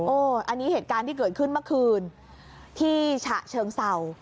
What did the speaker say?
อันนี้เหตุการณ์ที่เกิดขึ้นเมื่อคืนที่ฉะเชิงเศร้า